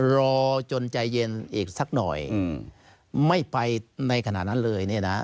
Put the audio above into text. รอจนใจเย็นอีกสักหน่อยไม่ไปในขณะนั้นเลยเนี่ยนะ